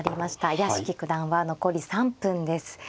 屋敷九段は残り３分です。